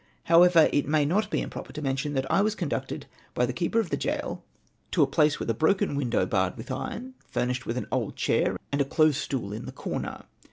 Plow ever, it may not be improper to mention that I was conducted by the keeper of the gaol to a place with a broken window barred witli iron, furnished with an old chair, and a close stool in the corner.